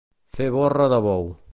Fer borra de bou.